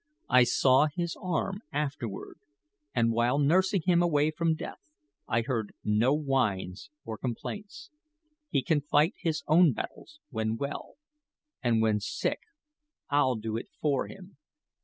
I saw his arm afterward, and while nursing him away from death I heard no whines or complaints. He can fight his own battles when well, and when sick I'll do it for him.